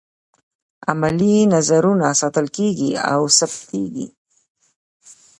عملي نظرونه ساتل کیږي او ثبتیږي.